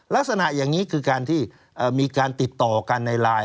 ลักษณะอย่างนี้คือการที่มีการติดต่อกันในไลน์